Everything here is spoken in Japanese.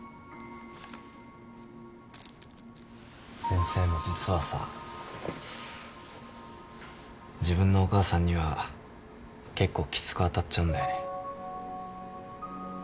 先生も実はさ自分のお母さんには結構きつく当たっちゃうんだよね。